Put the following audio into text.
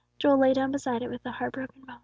Joel lay down beside it with a heart broken moan.